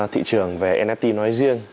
thị trường về nft nói riêng